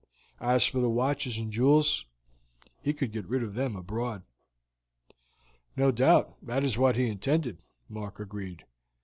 As for the watches and jewels, he could get rid of them abroad." "No doubt that is what he intended," Mark agreed.